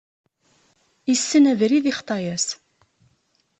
Issen abrid, ixḍa-yas.